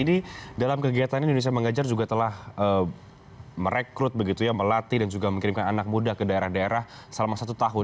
ini dalam kegiatan indonesia mengajar juga telah merekrut begitu ya melatih dan juga mengirimkan anak muda ke daerah daerah selama satu tahun